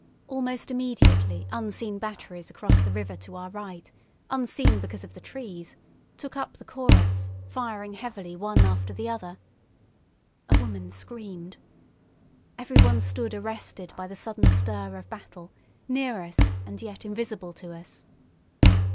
Almost immediately unseen batteries across the river to our right, unseen because of the trees, took up the chorus, firing heavily one after the other. A woman screamed. Everyone stood arrested by the sudden stir of battle, near us and yet invisible to us.